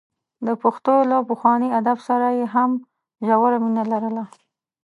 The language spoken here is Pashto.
د پښتو له پخواني ادب سره یې هم ژوره مینه لرله.